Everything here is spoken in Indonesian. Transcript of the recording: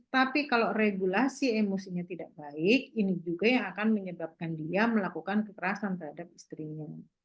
tapi kalau regulasi emosinya tidak baik ini juga yang akan menyebabkan dia melakukan kekerasan terhadap istrinya